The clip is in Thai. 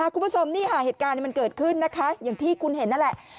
คุณผู้ชมนี่ค่ะเหตุการณ์มันเกิดขึ้นนะคะอย่างที่คุณเห็นนั่นแหละ